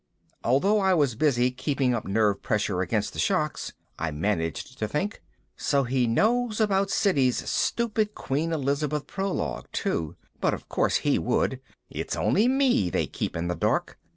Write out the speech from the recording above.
Although I was busy keeping up nerve pressure against the shocks, I managed to think. _So he knows about Siddy's stupid Queen Elizabeth prologue too. But of course he would. It's only me they keep in the dark.